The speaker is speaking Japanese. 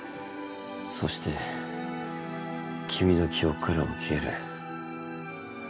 そして君の記憶からも消える。